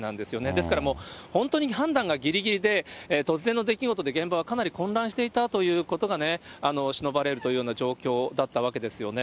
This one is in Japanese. ですから、もう本当に判断がぎりぎりで、突然の出来事で現場はかなり混乱していたということがしのばれるという状況だったわけですよね。